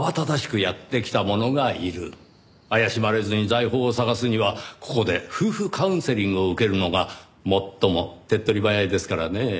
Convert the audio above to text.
怪しまれずに財宝を探すにはここで夫婦カウンセリングを受けるのが最も手っ取り早いですからねぇ。